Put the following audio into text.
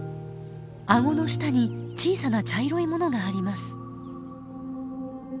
あごの下に小さな茶色いものがあります。